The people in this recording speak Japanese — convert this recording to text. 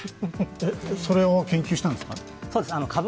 それを研究したんですか？